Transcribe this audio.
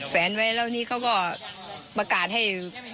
แวนไว้แล้วนี่เขาก็ประกาศให้